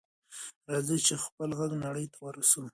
راځئ چې خپل غږ نړۍ ته ورسوو.